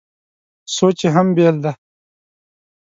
سوچ یې هم بېل دی.